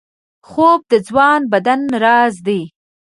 خوب د ځوان بدن راز دی